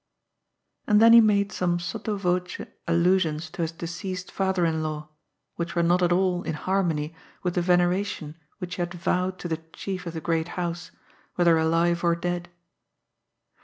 And then he made some sotto voce allusions to his deceased father in law, which were not at all in harmony with the yeneration which he had yowed to the chief of the great house, whether aliye or dead.